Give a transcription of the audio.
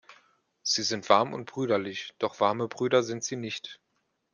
Sie sind warm und brüderlich, doch warme Brüder sind sie nicht!